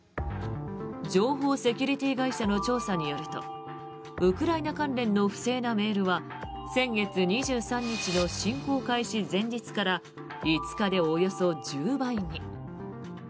情報セキュリティー会社の調査によるとウクライナ関連の不正なメールは先月２３日の侵攻開始前日から５日でおよそ１０倍に。